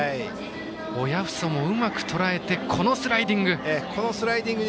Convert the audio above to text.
親富祖もうまくとらえてこのスライディング。